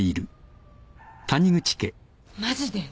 マジで？